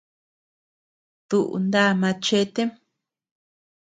Duʼu ná machetem?